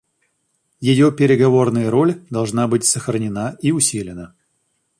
Ее переговорная роль должна быть сохранена и усилена.